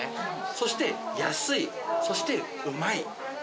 そして安い、そしてうまい。